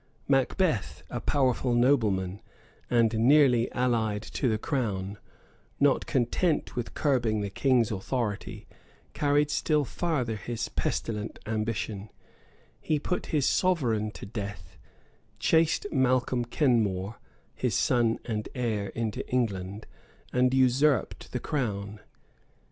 Macbeth, a powerful nobleman, and nearly allied to the crown, not content with curbing the king's authority, carried still farther his pestilent ambition: he put his sovereign to death; chased Malcolm Kenmore, his son and heir, into England, and usurped the crown.